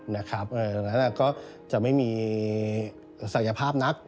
ดังนั้นก็จะไม่มีศักยภาพนัก